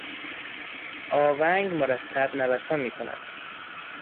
آونگ مرتب نوسان میکند.